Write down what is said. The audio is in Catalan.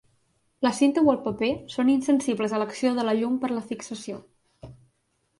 La cinta o el paper són insensibles a l'acció de la llum per la fixació.